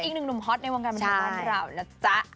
อีกหนึ่งหนุ่มฮอตในวงการเป็นของเรานะจ๊ะ